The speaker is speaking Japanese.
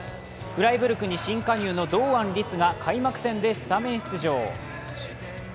フライブルクに新加入の堂安律が開幕戦にスタメン出場。